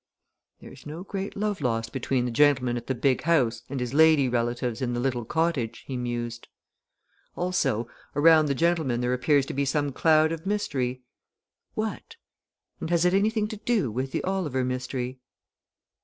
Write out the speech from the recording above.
"There's no great love lost between the gentleman at the big house and his lady relatives in the little cottage," he mused. "Also, around the gentleman there appears to be some cloud of mystery. What? and has it anything to do with the Oliver mystery?"